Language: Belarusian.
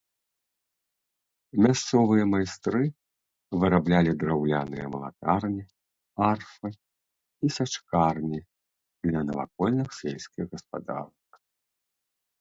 Мясцовыя майстры выраблялі драўляныя малатарні, арфы і сячкарні для навакольных сельскіх гаспадарак.